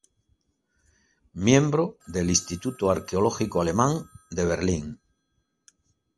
Miembro del Instituto Arqueológico Alemán de Berlín.